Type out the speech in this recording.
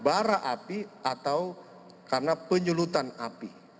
bara api atau karena penyulutan api